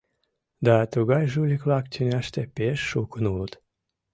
Да тугай жулик-влак тӱняште пеш шукын улыт.